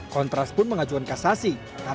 kontras pun mengajukan kasasi